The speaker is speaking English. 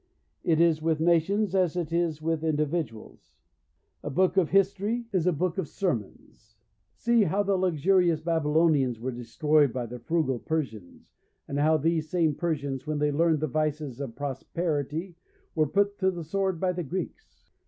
It is with nations as it is with individuals. A book of history is a book of sermons. See how the luxurious Babylonians were destroyed by the frugal Persians, and how these same Persians when they learned the vices of prosperity were put to the sword by the Greeks.